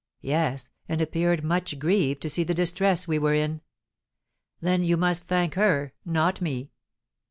"Yes, and appeared much grieved to see the distress we were in." "Then you must thank her, not me."